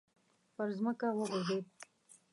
پر ځمکه وغورځېد.